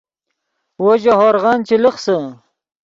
وو ژے ہورغن چے لخسے